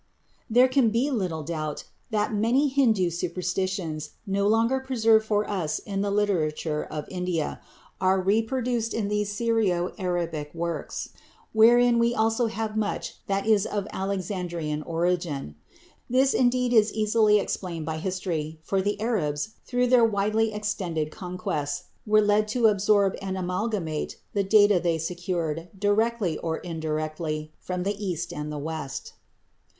There can be little doubt that many Hindu superstitions, no longer preserved for us in the literature of India, are reproduced in these Syrio Arabic works, wherein we have also much that is of Alexandrian origin. This indeed is easily explained by history, for the Arabs, through their widely extended conquests, were led to absorb and amalgamate the data they secured, directly or indirectly, from the East and the West.